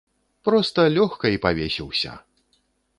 Проста лёгка і павесіўся!